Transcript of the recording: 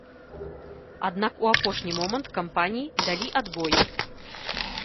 Аднак у апошні момант кампаніі далі адбой.